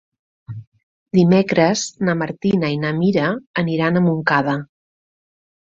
Dimecres na Martina i na Mira aniran a Montcada.